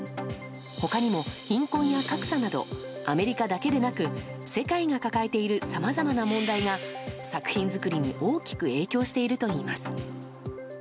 他にも貧困や格差などアメリカだけでなく世界が抱えているさまざまな問題が作品作りに大きく影響しているといいます。